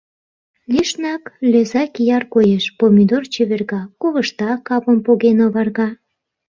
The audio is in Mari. Лишнак лӧза кияр коеш, помидор чеверга, ковышта капым поген оварга.